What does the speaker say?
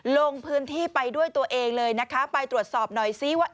ลงพื้นที่ไปด้วยตัวเองเลยนะคะไปตรวจสอบหน่อยซิว่า